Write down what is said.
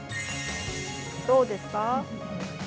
どうですか？